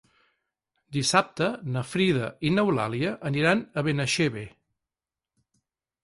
Dissabte na Frida i n'Eulàlia aniran a Benaixeve.